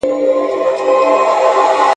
رسنۍ تصوير خرابوي.